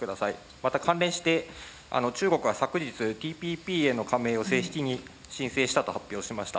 また関連して、中国は昨日、ＴＰＰへの加盟を正式に申請したと発表しました。